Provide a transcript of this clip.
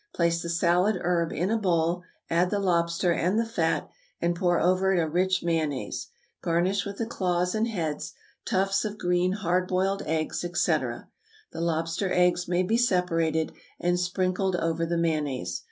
Place the salad herb in a bowl, add the lobster and the fat, and pour over it a rich mayonnaise; garnish with the claws and heads, tufts of green, hard boiled eggs, etc. The lobster eggs may be separated, and sprinkled over the mayonnaise.